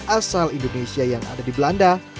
asal indonesia yang ada di belanda